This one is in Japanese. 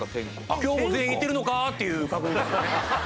今日も全員いてるのか？っていう確認ですよね